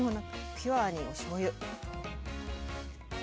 ピュアにおしょうゆ。